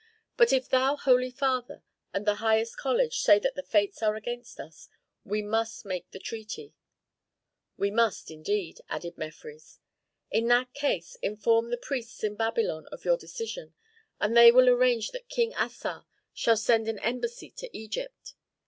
But if thou, holy father, and the highest college say that the fates are against us, we must make the treaty." "We must indeed," added Mefres. "In that case inform the priests in Babylon of your decision, and they will arrange that King Assar shall send an embassy to Egypt.